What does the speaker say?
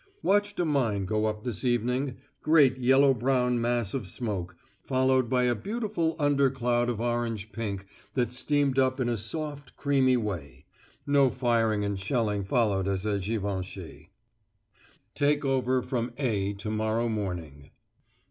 Watched a mine go up this evening great yellow brown mass of smoke, followed by a beautiful under cloud of orange pink that steamed up in a soft creamy way. No firing and shelling followed as at Givenchy.... Take over from 'A' to morrow morning.